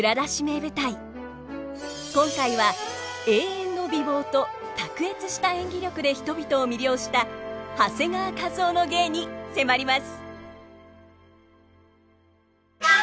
今回は永遠の美貌と卓越した演技力で人々を魅了した長谷川一夫の芸に迫ります。